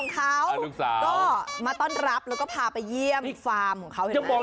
ก็มาต้อนรับแล้วก็พาไปเยี่ยมฟาร์มเขา